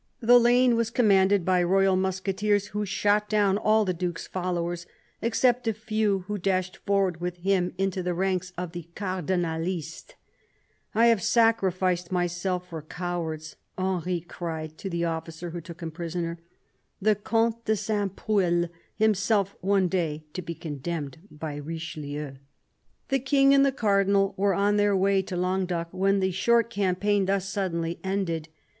The lane was commanded by royal musketeers, who shot down all the Duke's followers except a few who dashed forward with him into the ranks of the "cardi nalistes." " I have sacrificed myself for cowards !" Henry cried to the officer who took him prisoner — the Comte de Saint Preuil, himself one day to be condemned by Richelieu. The King and the Cardinal were on their way to Languedoc when the short campaign thus suddenly ended.